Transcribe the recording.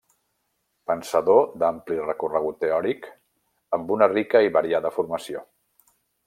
Pensador d'ampli recorregut teòric, amb una rica i variada formació.